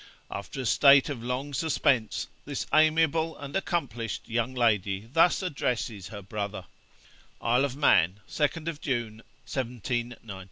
After a state of long suspense, this amiable and accomplished young lady thus addresses her brother: 'Isle of Man, 2nd June, 1792.